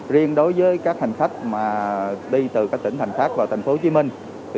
riêng đối với các hành khách đi từ các tỉnh thành khác vào thành phố hồ chí minh